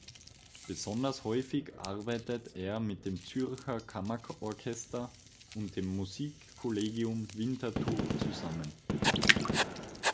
Besonders häufig arbeitet er mit dem Zürcher Kammerorchester und dem Musikkollegium Winterthur zusammen.